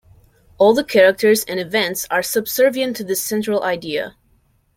All the characters and events are subservient to this central idea.